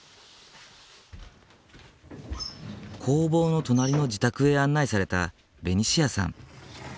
工房の隣の自宅へ案内されたベニシアさん。